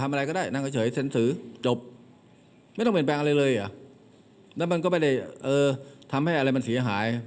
มันก็ไม่ใช่ทำให้อะไรมันเวลาหายได้อย่างน้อยดีนะ